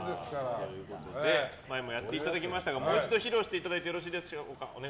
前もやっていただきましたがもう一度披露してもらってもいいでしょうか。